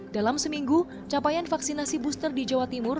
dalam seminggu capaian vaksinasi booster di jawa timur